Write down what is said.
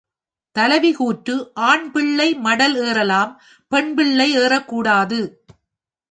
தலைவி கூற்று ஆண்பிள்ளை மடல் ஏறலாம் பெண்பிள்ளை ஏறக்கூடாது.